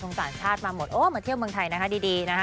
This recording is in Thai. ต่างชาติมาหมดโอ้มาเที่ยวเมืองไทยนะคะดีนะฮะ